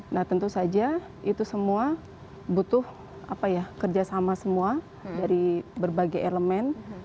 nah tentu saja itu semua butuh kerjasama semua dari berbagai elemen